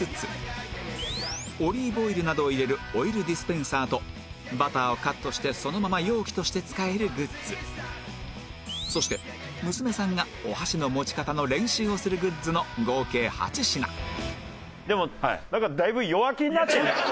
オリーブオイルなどを入れるオイルディスペンサーとバターをカットしてそのまま容器として使えるグッズそして娘さんがお箸の持ち方の練習をするグッズの合計８品なんかだいぶ弱気になって。